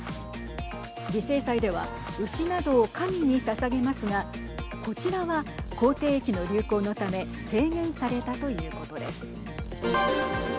犠牲祭では牛などを神にささげますがこちらは口てい疫の流行のため制限されたということです。